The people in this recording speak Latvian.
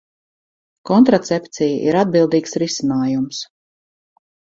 Kontracepcija ir atbildīgs risinājums.